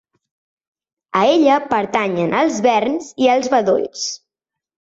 A ella pertanyen els verns i els bedolls.